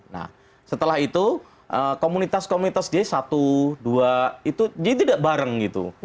nah setelah itu komunitas komunitas dia satu dua itu dia tidak bareng gitu